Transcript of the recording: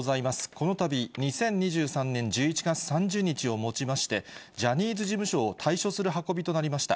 このたび、２０２３年１１月３０日をもちまして、ジャニーズ事務所を退所する運びとなりました。